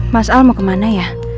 mas al mau kemana ya